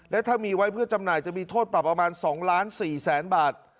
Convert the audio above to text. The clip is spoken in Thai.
และถ้ามีไว้เพื่อจำหน่ายจะมีโทษปรับประมาณ๒ล้าน๔แสนบาท